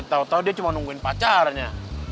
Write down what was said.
tau tau dia cuma nungguin pacarnya